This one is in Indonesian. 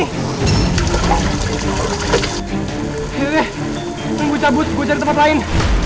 yaudah deh tunggu cabut gua cari tempat lain